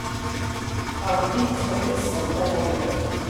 Ṛebbi ittxelliṣ s ṭṭul.